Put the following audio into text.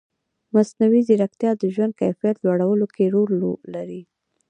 مصنوعي ځیرکتیا د ژوند کیفیت لوړولو کې رول لري.